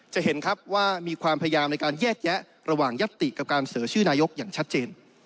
เห็นครับว่ามีความพยายามในการแยกแยะระหว่างยัตติกับการเสนอชื่อนายกอย่างชัดเจน